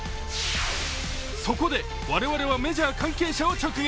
そこで、我々はメジャー関係者を直撃。